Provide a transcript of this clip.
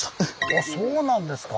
あそうなんですか。